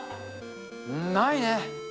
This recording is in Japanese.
ないね。